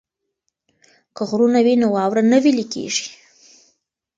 که غرونه وي نو واوره نه ویلی کیږي.